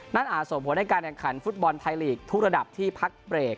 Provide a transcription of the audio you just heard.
อาจส่งผลให้การแข่งขันฟุตบอลไทยลีกทุกระดับที่พักเบรก